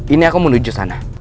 ini aku menuju sana